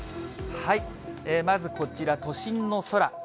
まず、こちら都心の空。